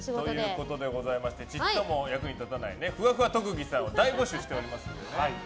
ちっとも役に立たないふわふわ特技さんを大募集しておりますので。